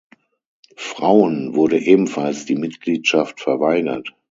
Frauen wurde ebenfalls die Mitgliedschaft verweigert.